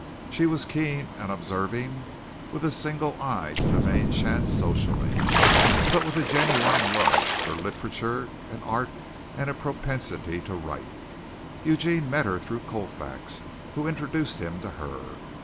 She was keen and observing, with a single eye to the main chance socially, but with a genuine love for literature and art and a propensity to write. Eugene met her through Colfax, who introduced him to her.